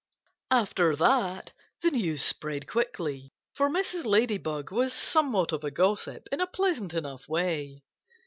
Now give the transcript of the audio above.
After that the news spread quickly, for Mrs. Ladybug was somewhat of a gossip in a pleasant enough way.